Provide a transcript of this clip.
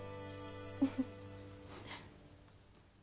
フフ。